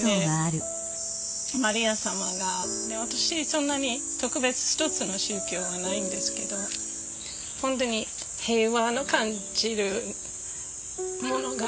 マリア様が私そんなに特別一つの宗教はないんですけど本当に平和の感じるものがあるんですよね。